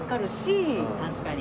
確かに。